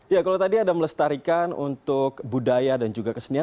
ya kalau tadi ada melestarikan untuk budaya dan juga kesenian